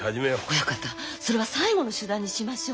親方それは最後の手段にしましょう。